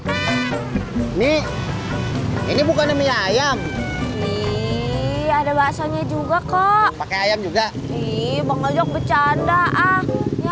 ini ini bukan demi ayam ada basahnya juga kok pakai ayam juga ii bengkel jog becanda ah ya